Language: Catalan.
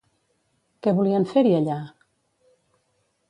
Què volien fer-hi, allà?